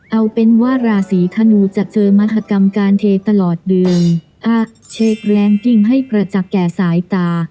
เอาเป็นว่าราศีธนูจะเจอมหากรรมการเทตลอดเดือนเชกแรงยิ่งให้ประจักษ์แก่สายตา